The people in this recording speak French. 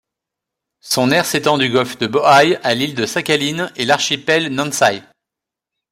Son aire s'étend du golfe de Bohai à l'île de Sakhaline et l'archipel Nansei.